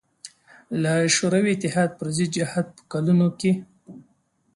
له شوروي اتحاد پر ضد جهاد په کلونو کې.